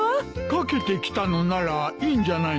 掛けてきたのならいいんじゃないのか？